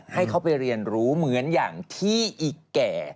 ให้เขาไปเรียนรู้เหมือนอย่างที่อีแก่